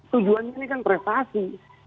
tujuannya ini kan prestasi